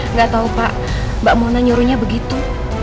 nggak tahu pak mbak mona nyuruhnya begitu